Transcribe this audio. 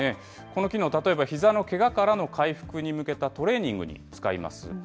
この機能、例えばひざのけがからの回復に向けたトレーニングに使います。